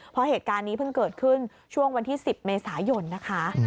เพราะเหตุการณ์นี้เพิ่งเกิดขึ้นช่วงวันที่๑๐เมษายนนะคะ